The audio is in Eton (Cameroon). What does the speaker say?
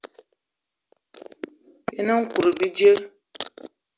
Yen nkout bíjé.